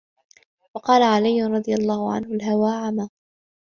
وَقَالَ عَلِيٌّ رَضِيَ اللَّهُ عَنْهُ الْهَوَى عَمًى